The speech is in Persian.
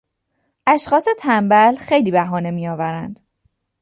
اشخاص تنبل خیلی بهانه میآورند.